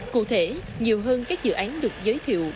cụ thể nhiều hơn các dự án được giới thiệu